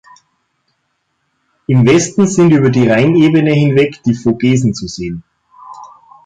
Im Westen sind über die Rheinebene hinweg die Vogesen zu sehen.